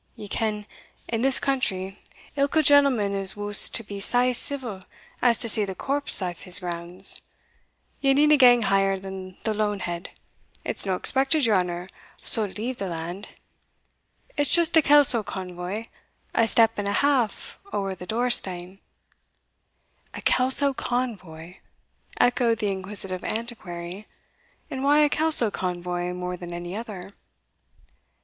Ye ken, in this country ilka gentleman is wussed to be sae civil as to see the corpse aff his grounds; ye needna gang higher than the loan head it's no expected your honour suld leave the land; it's just a Kelso convoy, a step and a half ower the doorstane." "A Kelso convoy!" echoed the inquisitive Antiquary; "and why a Kelso convoy more than any other?"